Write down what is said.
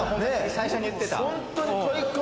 最初に言ってた。